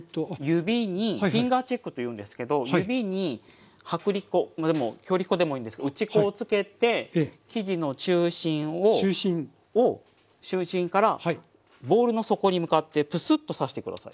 指にフィンガーチェックというんですけど指に薄力粉でも強力粉でもいいんですけど打ち粉をつけて生地の中心を中心からボウルの底に向かってプスッと挿して下さい。